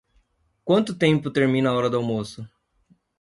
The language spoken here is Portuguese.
Quanto tempo termina a hora do almoço?